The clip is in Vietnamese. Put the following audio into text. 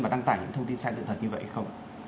mà đăng tải những thông tin sai dự thật như vậy không